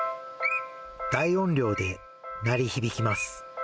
大音量で鳴り響きます。